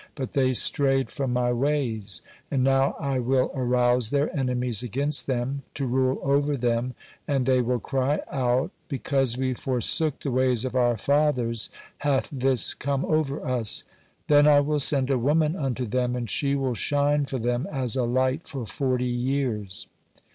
But they strayed from My ways. And now I will arouse their enemies against them, to rule over them, and they will cry out: 'Because we forsook the ways of our fathers, hath this come over us.' Then I will send a woman unto them, and she will shine for them as a light for forty years."